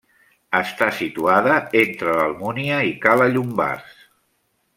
Està situada entre l'Almunia i Cala Llombards.